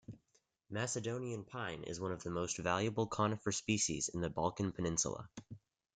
Macedonian pine is one of the most valuable conifer species in the Balkan Peninsula.